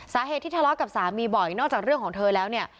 สาเหตุที่ทะเลาะกับสามีบ่อยนอกจากเรื่องของเธอแล้วเนี่ย